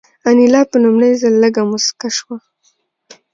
انیلا په لومړي ځل لږه موسکه شوه